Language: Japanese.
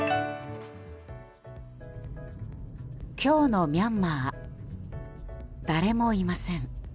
今日のミャンマー誰もいません。